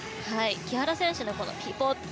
木原選手のピポット